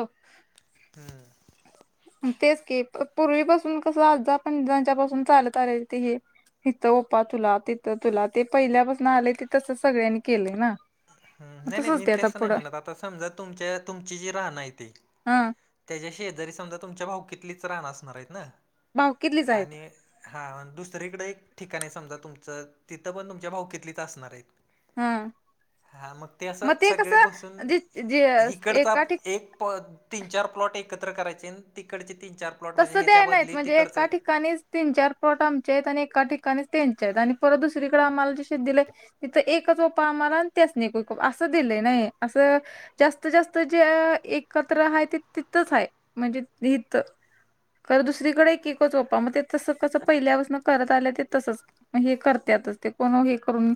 हो. हम्म. तेच की पूर्वीपासून कसं आज पणजांच्या पासून चालत आलेल ते हे. तिथं ओपा तुला तिथं तुला ते पहिल्यापासून आले ते तस सगळ्यांनी केलय ना. हम्म नाही नाही मी तसच ते आता तसं नाही पुढं म्हणत आता समजा तुमच्या तुमची जी राहणं आहे ती हा त्याच्या शेजारी समजा तुमच्या भाऊ कितलीच रान असणार आहेत ना भावकीतलीच आहेत आणि हा दुसरीकडे एक ठिकाण आहे समजा तुमचं तिथं पण तुमच्या भाव केतलीच असणार आहेत. हां. हा मग ते असं सगळे बसून जे जे इकडचा एका ठिक एक पद तीन चार प्लॉट एकत्र करायचे अन तिकडचे तीन चार. तसं द्याय नाहीत म्हणजे एका ठिकाणी तीन चार प्लॉट आमचे आहेत आणि एका ठिकाणीच त्यांचे आहेत आणि परत दुसरीकडे आम्हाला जे शेत दिले तिथं एकच वप्पा आम्हाला आणि त्यासनी एक वपा असं दिलंय नाही असं जास्त जास्त जे एकत्र आहे ते तिथच आहे म्हणजे तिथ खरं दुसरीकडे एके कच होता मग ते तसं कसं पहिल्यापासून करत आलं ते तसंच मग हे करत्यातच ते कोण हे करून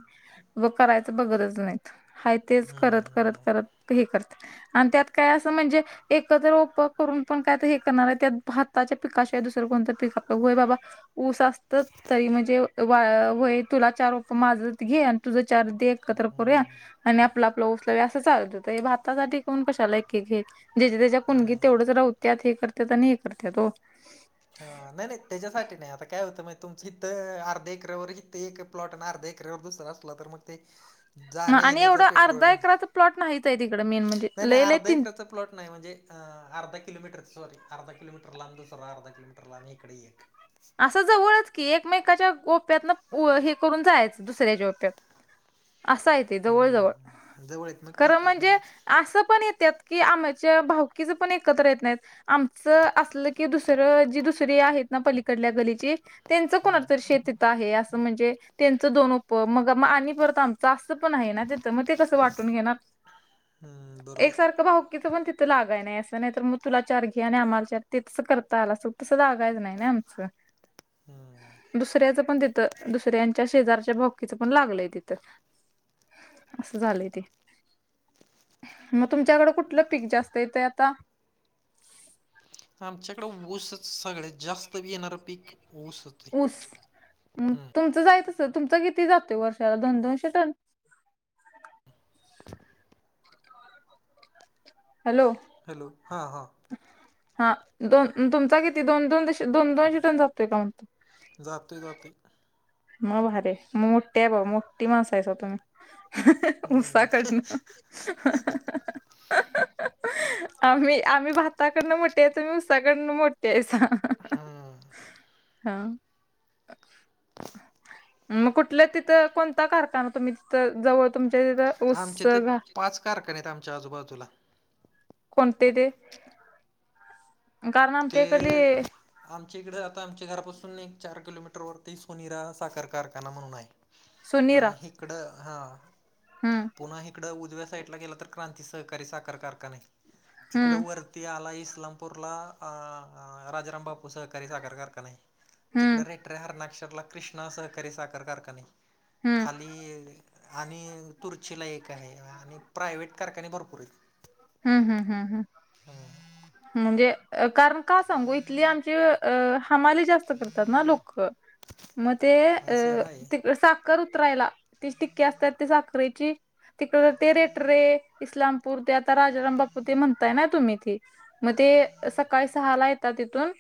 व करायचं बगतच नाहीत हाय तेच करत करत करत हे करत आणि त्यात काय असं म्हणजे एकत्र ओपं करून पण काय तर हे करणार आहे त्यात भाताच्या पिकाशिवाय दुसरं कोणत्या पिका होय बाबा ऊस असत तरी म्हणजे वा वय तुला चार माझत घे आणि तुझं चार दे एकत्र करूया आणि आपलं आपलं ऊस लावूया असं चालत होत हे भातासाठी कोण कशाला एक एक घे ज्याच्या त्याच्या कुनगीत तेवढंच रोवत्यात हे करत्यात आणि हे करत्यात ओ. ह नाही नाही त्याच्यासाठी नाही आता काय होतं मा तुमचं इथं अर्ध्या एकरावर इथ एक प्लॉट ना अर्धा एकरवर दुसरं असला तर मग ते जाण ना. आणि येण्याचं एवढं पेट्रोल अर्धा एकराचा प्लॉट नाहीच आहे तिकडं मेन म्हणजे नाही नाही लय लय अर्धा तीन एकराचा प्लॉट नाही म्हणजे अ अर्धा किलोमीटर सॉरी अर्धा किलोमीटर लांब दुसरा अर्धा कीलोमीटर ला आण इकडे एक. असं जवळच की एकमेकाच्या ओप्यात न हे करून जायचं दुसऱ्याच्या ओप्यात. असा आहे ते जवळ हं, जवळ हं. जवळ आहेत मग खरं ठीक आहे. हं, म्हणजे असं पण येत्यात कि आम्हाच्या भावकीचं पण एकत्र येत नाहीत आमचं असलं की दुसरं जी दुस तरी आहेत ना पलीकडल्या गलीचे त्यांच कोणा शेत ता आहे असं म्हणजे त्यांच दोन उप मग म आणि परत आमच असं पण आहे ना ते त मग ते कस वाटून घेणार हं. एक बरोबर. सारखं भाऊकीच पण थी- त लागाय नाही असं नाही तर मग तुला चार घे आणि आम्हाला चार ते तसं करता आला असत तसं लागाच नाही च हम्म. दुसऱ्याचं पण तिथं दुसऱ्यांच्या शेजारच्या भावकी चं पण लागलंय तिथं. असं झालंय ते. मग तुमच्याकडें कुठलं पीक जास्त येतंय आता? आमच्याकडें ऊसच सगळ्यात जास्त बी येणारं पीक ऊसच. आहे. ऊस हं. तुमचं जायच असं तुमचं किती जातं वर्षाला दोन दोनशे टन? हॅलो! हॅलो हा हां. हा दोन तुमचा किती दोन दोन दशी दोन दोन [unintelligible] जातोय का म्हणतो. जातोय जातोय. मग भारीय मोटीय भाऊ मोठी मास आयस तुमही. उसा हं, कडण आम्ही आम्ही भाताकडनं मोठ हाय तुम्ही उसाकडनं मोठे आहसा. हा. हा. ह. मग कुठलं तिथं कोणता कारखाना तुम्ही तिथं जवळ तुमच्या तिथं ऊस आमचे तर घा पाच कारखाने आहेत आमच्या आजूबाजूला. कोणते ते? कारण आमच्या ते इकडली आमच्या इकडे आता आमच्या घरापासून एक चार किलोमीटर वरती सोनीरा साखर कारखाना म्हणून आहे. सुनीरा अ इकडं हा हम्म पुन्हा ह. तिकडं उजव्या साईडला गेला तर क्रांती सहकारी साखर कारखाना आहे. इकडं हम्म वर ते आला इस्लामपूरला अं राजाराम बापू सहकारी साखर कारखाना हाय. तिकडे हम्म रेटऱ्या हरणाक्षरला कृष्णा सहकारी साखर कारखाने हम्म खाली आणि तुर्चीला एक आहे आणि प्रायवहेट कारखाने भरपूर आहेत. हम् हम्म हम् हम. हम. म्हणजे कारण का सांगू इथली आमची हमाली जास्त करतात ना लोक ह. मग ते अ तिक साखर उतरायला ती टिक्क्या असतात त साखरेची तिकड तेरेट रे इस्लामपूर त्यात आता राजाराम बापू ते म्हणताय ना तुम्ही ते, मग ते सकाळी सहाला येता तिथून.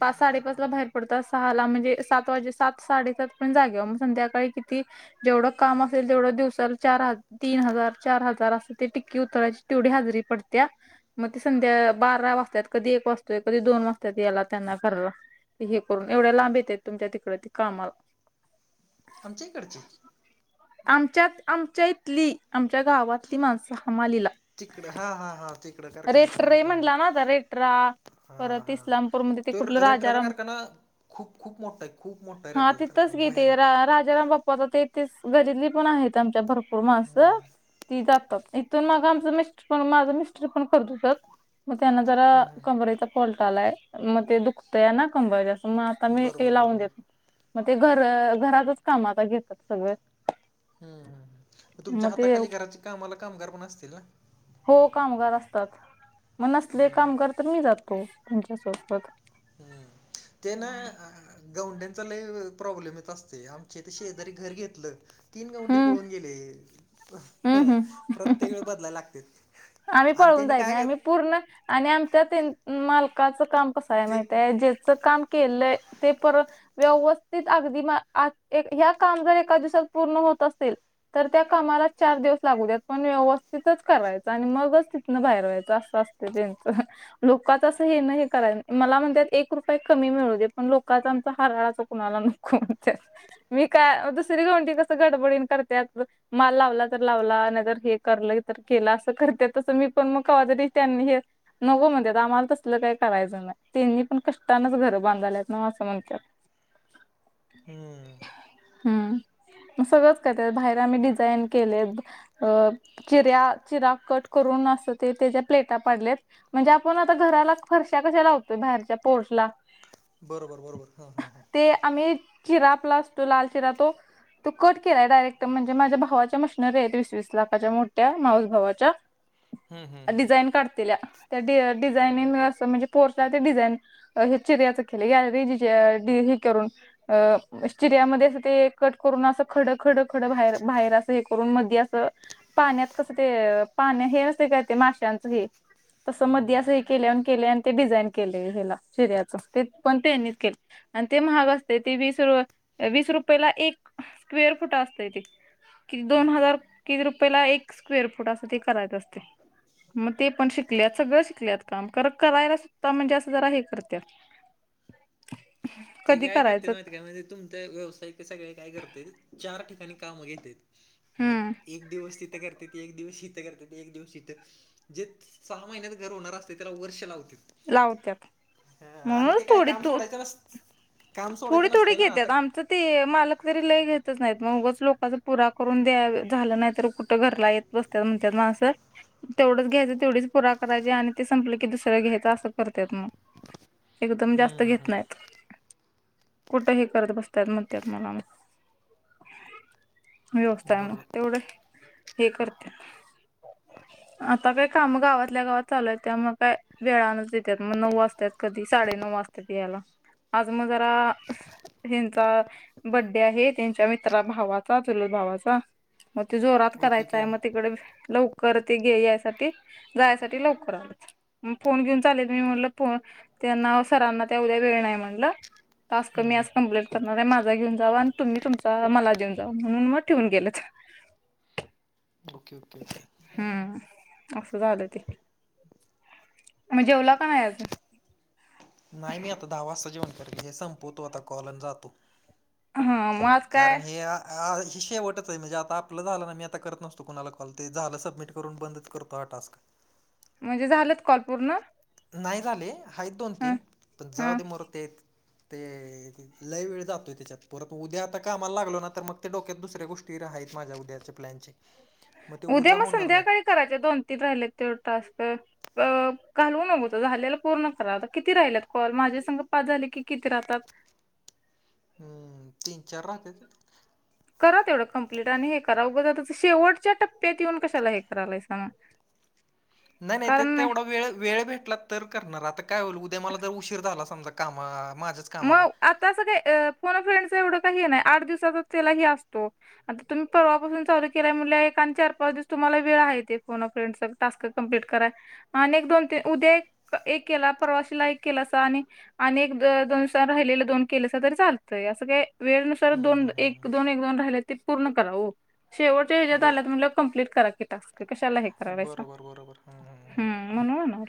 पाच साडेपाच ला बाहेर पडतात सहाला म्हणजे सात वाजे सात साडेसात पण जागे मग संध्याकाळी किती? जेवढं काम असेल तेवढं दिवसाला चार ह तीन हजार चार हजार असं ते टिक्की उतरायची. तेवढी हजेरी पडत्या. मग ती संध्या बारा वाजतात कधी एक वाजतोय कधी दोन वाजतात यायला त्यांना घरा हे करून एवढ्या लांब येत्यात तुमच्या तिकडं ती कामाला. आमच्या कडचे आमच्यात आमच्या इथली, आमच्या गावातली माणसं हमालीला तिकडे हा हा हां तिक रेठरे म्हणला ना आता? रेठरा हा हा तो रेटरचा कारख ना खूप खूप मोठा आहे खूप मोठा आहे रेटचा च घेतती राजाम बाप् स्वत तेथेच गरली पण आहेत आमच्या भरपूर मास ती जातात. तर मग आमचं मिस्टर पण, माझ मिस्टर पण करत होतत. मग त्यांना जरा हम्म कमरेचा कोलटालाय मग ते दुखतंय ना कंबर असं मग आता हम्म मी हे बरोबर लावून बरोबर देतो. मग ते घर घरातच काम आता घेतात सगळे हम् हम्म मग तुमच्या मग ते हाताखाली घराचे कामला कामगार पण असतील ना. हो कामगार असतात मग असले कामगार तर मी जातो तुमच्यासोबत हम्म तेन गवंड्यांचा लई प्रॉब्लेमच असतंय. आमच्या इथं शेजारी घर घेतलं. तीन गंडी हम्म पळून गेले हम्म हम्म. प्रत्येक वेळ बदलायला लागते. आम्ही आणि पळवून त्यांनी जायत काय नाही कर- आम्ही पूर्ण आणि आमच्या ते मालकाचं काम कसं आहे ते माहिय. काम केलंय ते परत व्यवस्थित अगदी या काम जर एका दिवसात पूर्ण होत असेल. तर त्या कामाला चार दिवस लागू द्यात पण व्यवस्थितच करायच. आणि मगच तिथनं बाहेर व्हायचं असं असते त्यांचं लोकच असं हे नाही हे कराय मला म्हणतात एक रुपये कमी मिळू दे पण लोकचा आमचा हारळाच कणाला न. कोणतं? मी काय दुसरी गंवडी कसं गडबडीन करत्यात बघ. माल लावला तर लावला नाही जर हे करलं तर केलं अस. करते तसं मी पण मग काज त्यांनी हे नको म्हणत्यात आम्हाला तसलं काही करायचं नाही. त्यांनी पण कष्टानच घरं बांधायलेत न्हव असं म्हणत्यात. हम्म. हम्म. सगळंच कर बाहेर आम्ही डिझाईन केले अ चिऱ्या चिरा कट करून असं ते त्याच्या प्लेटा पडलेत. म्हणजे आपण आता घराला फरशा कशा लावतोय बाहेरच्या पोर्टला बरोबर बरोबर हा हा हा. ते आम्ही चिराप्ला असतो लाल चिरा तो तो कट केलाय डायरेक्ट म्हणजे माझ्या भावाच्या मशनरी आहेत वीस वीस लाखाच्या मोठ्या माऊसभवाच्या हम्म हम्म हम्म डिझाईन काढतील त्या डिझाईननं म्हणजे पोरस ते डिझाईन अ हे चिऱ्याचा खेल आहे या रेजीची आहे डीजी करून अ इस्ट्रिया मध्ये असं ते कट करून असं खडं खडं खडं बाहेर बाहेर असं हे करून मध्ये असं पाण्यात कसं ते पाण्या हेअसतं काय ते माश्यांचं हे तस मध्ये असं हे केले केले आणि ते डिझाईन केले हला शि्याच ते पण ते त्यांनीच केले. आणि ते महाग असते ती वीस र वीस रुपयेला एक स्क्वेर फुट असते ती किती दोन हजार किती रुपयाला एक स्क्वेअर फुट असं ते करायच असते. मग ते पण शिकलेत सगळं शिकलेत काम कर करायला सुधा म्हणजे असं जरा हे करत. [inaudible] ते काय करत करायचं? मा ते काय म्हणजे तुमच व्यवसायिक सगळे काय करते चार ठिकाणी काम घेतेत. हम्म मग एक दिवस तिथं करते. एक दिवस इथं करते ते एक दिवस शथं जे सहा महिन्यात घर होणार असते त्याला वर्ष लावते. लावत्यात हा आणि म्हणूनच ते काय थोडी काम तू सोडायचं बस थोडी थोडी घेत्यात आम आम ते मालक तरी लय घेतच नाहीत मगच लोकचा पुरा करून द्या झालं नाही तर कुठं घरला येत. बसतात म्हणतात म असं तेवढंच घ्यायचं तेवढीच पुरा करायचे आणि ते संपलं की दुसरं घ्यायच. ते असं करतेत मग एकदम जास्त हम्म घेत नाहीत. कुठं हे करत बसत्या म्हणत्यात मला म. व्यवस्था हम्म बरोबर तेवढं हे करते आता काय कामं गावातल्या गावात चालूय आहे त्यामुळं काय वेळानच येत्यात म नऊ वाजत्यात कधी साडे नऊ वाजत्यात यायला आज म जरा ह्यांचा बड्डे आहे त्यांच्या मित्रा भावाचा चुलत भावाचा. मग ते जोरात ओके करायचं ओके आहे मग हम्म तिकडे लव. कर ते घे यासाठी जायसाठी लवकर आ. म फोन घेऊन चालेल मी म्हटलं फो त्यांना सरांना त्या उद्या वेळ नाही म्हटलं. तास कमी असतात कंप्लीट तर म काय माझा घेऊन जावा आणि तुम्ही तुमचा मला देऊन जाऊ म्हणून मग ठेऊन गेलंच. हम्म ओके ओके ओके. हम्म असं झालं ते. म जेवला का नाही अजून? नाही मी आता दहा वाजता जेवण करते हे संपवतो आता कॉलन जातो. हा मग आज कारण काय हे या. हा शेवटच आहे म्हणजे आता आपलं झालं ना मी आता करत नसतो कुणाला कॉल ते झालं सबमिट करून बंदच करतो हा टास्क म्हणजे झालंत कॉल पूर्ण नाही झाले हाय दोन हा तीन पण जाऊ हा दे. ते लई वेळ जातोय त्याच्यात परत उद्या आता कामाला लागलो ना तर मग ते डोक्यात दुसऱ्या गोष्टी रा माझ्या उद्याचे प्लॅनचे ते उद्या मग होणार नाहीत संध्याकाळी करायच्या दोन तीन राहिले ते टास्क अ घालवू नग होत झालेला पूर्ण करा होता किती राहिल्यात कॉल माझे संग पाच झाले की किती राहतात? हम्म तीन-चार राहतेत. करा तेवढं कं्प्लीट आणि हे करा उगं ज शेवटच्या टप्प्यात येऊन कशाला हे करायलाय सांग. नाय नाय ते तेवढा वेळ वेळ भेटला तर करणार आता काय होईल उद्या मला जर उशीर झाला समजा कामं माझंच म आता असं काही अ फोन अ फ्रेंडच एवढं काही नाही आठ दिवसचाच त्यालाही असतो आता तुम्ही परवापासून चालू केलं म्हणजे एक आणि चार पाच दिवस तुम्हाला वेळ आहे कोो फ्रेंडग टास्क कम्प्लीट कराय आणि एक दोन तीन उद्या एक एक केला प्रवाशीला एक केलासा आणि आणि एक दो दोन राहि दोन केले तरी चालतंय असं काय वेळनुसार हम्म दोन हम्म एक हम्म दोन एक दोन राहि पूर्ण करा हो शेवटच्या ह्यात बर झाल्या म्हटलं कम्प्लीट करा की टास्क कशाला आहे. करावाचा बरोबर बरोबर हम्म हम्म म्हणून ना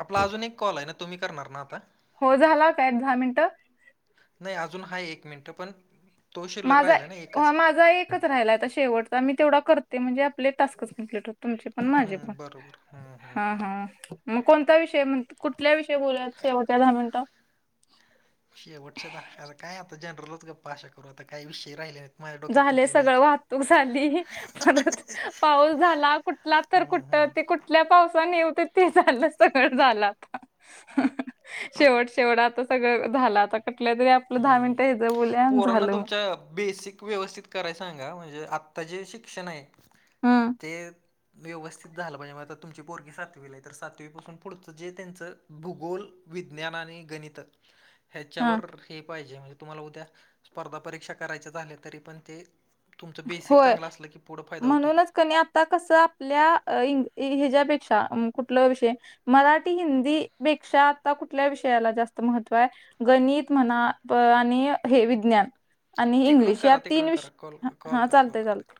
आपला अजून एक कॉल आहे ना तुम्ही करणार ना आता हो झाला काय एक दहा मिनिटं नाही अजून हा एक मिनिट पण तो शिल्लक राहिला ना एकच माझा माझा एकच राहिला आहेता शेवटचा मी तेवढा करते म्हणजे आपले टास्कच कंप्लीट होत तुमचे पण माझे पण हं, बरोबर. हं, हं. हा हा मग कोणता विषय म्ह कुठल्या विषयी बोलाय शेवट्या दहा मिनिटं शेवटच्या दाकला आता काय आता जनरलच गपा आषा करू आता काय विषय राहिले हो झाले सगळं वाहतूक झाली परत पाऊस झाला कुठला तर हं, कुठ हं. ते कुठ इथल्या पावसाने ये होते ते झालं सगळ झालं आता शेवट शेवट आता सगळं झालं आता कुठल्या तर आपल्या हम्म पोरांना तुमच्या बेसिक व्यवस्थित करायच सांगा म्हणजे आत्ता जे शिक्षण आहे हम्म ते व्यवस्थित झालं म्हणजे मग आता तुमची पोरगी सातवीला आहे तर सातवीपासून पुढचं जे त्यांचं भूगोल विज्ञान आणि गणित हा ह्याच्यावर हे पाहिजे म्हणजे तुम्हाला उद्या स्पर्धा परीक्षा करायचे झाले तरी पण ते तुमचं बेसिक होय चांगलं असलं की पुढं फायदा होतय म्हणूनच कणी आता कस आपल्या हेच्यापेक्षा कुठला विषय मराठी हिंदी पेक्षा आता कुठल्या विषयाला जास्त महत्त्व आहे. गणित म्हणा आणि हे विज्ञान आणि तिकडून इंग्लिश या करा, तीन तिकडून विष करा. कॉल कॉल कर कॉल कर